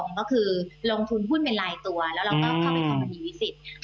แล้วเราก็เข้าไปความประนีวิสิต